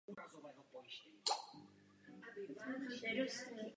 Duncan je ohromen a i přes určité pochybnosti naleziště koupí.